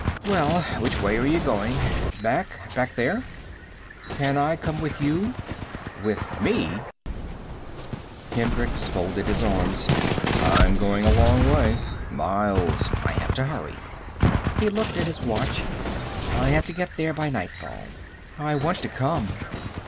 "Well? Which way are you going? Back back there?" "Can I come with you?" "With me?" Hendricks folded his arms. "I'm going a long way. Miles. I have to hurry." He looked at his watch. "I have to get there by nightfall." "I want to come."